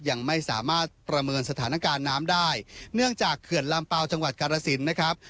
ยังไม่สามารถประเมินสถานการณ์น้ำได้เนื่องจากเขื่อนลำเปล่าจังหวัดกาลสินนะครับ